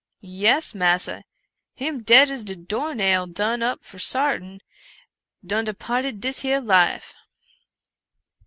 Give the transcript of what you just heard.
" Yes, massa, him dead as de door nail — done up for sartin — done departed dis here life."